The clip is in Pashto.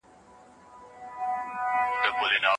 ظلم به پای ومومي.